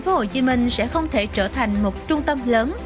tp hcm sẽ không thể trở thành một trung tâm lớn